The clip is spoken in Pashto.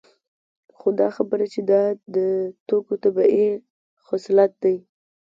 خو دا خبره چې دا د توکو طبیعي خصلت دی